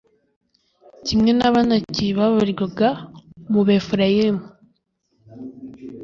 kimwe n’abanaki, babarirwaga mu barefayimu